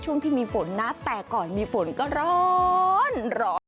ช่วงที่มีฝนนะแต่ก่อนมีฝนก็ร้อนร้อน